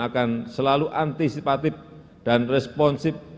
akan selalu antisipatif dan responsif